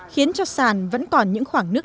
khiến cho sàn vẫn còn những khoảng nước